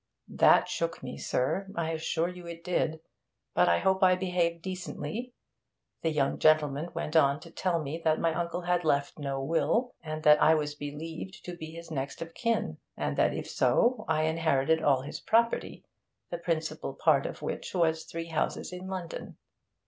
That shook me, sir, I assure you it did, but I hope I behaved decently. The young gentleman went on to tell me that my uncle had left no will, and that I was believed to be his next of kin, and that if so, I inherited all his property, the principal part of which was three houses in London.